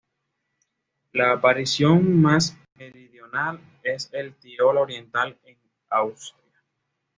La aparición más meridional es el Tirol oriental en Austria.